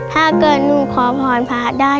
ถ้าเกิดหนูขอพรพระได้